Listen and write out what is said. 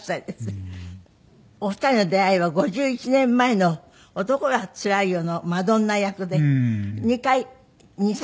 お二人の出会いは５１年前の『男はつらいよ』のマドンナ役で２回２作？